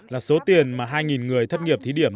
là số tiền mà hai người thất nghiệp thí điểm